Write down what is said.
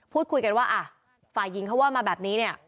พูดคุยกันว่าอ่ะฝ่ายหญิงเขาว่ามาแบบนี้เนี่ย